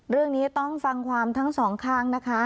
เรื่องนี้ต้องฟังความทั้งสองข้างนะคะ